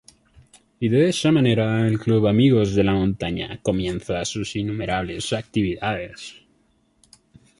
Y de esa manera el Club Amigos de la Montaña comienza sus innumerables actividades...